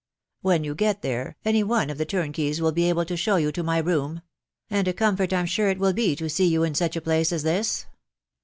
When you get there, any of the turnkeys will be able to show you to my room ; and a comfort I'm sure it will be to see you in such a place as this.